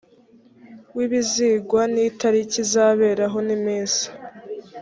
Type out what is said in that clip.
w ibizigwa n itariki izaberaho n iminsi